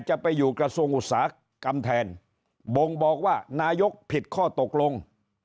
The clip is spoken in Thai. จะไปอยู่กระทรวงอุตสาหกรรมแทนบ่งบอกว่านายกผิดข้อตกลง